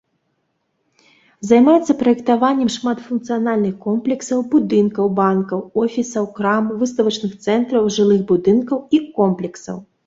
Займаецца праектаваннем шматфункцыянальных комплексаў, будынкаў банкаў, офісаў, крам, выставачных цэнтраў, жылых будынкаў і комплексаў.